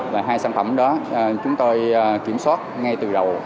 và hai sản phẩm đó chúng tôi kiểm soát ngay từ đầu